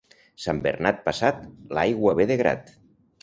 Sant Bernat passat, l'aigua ve de grat.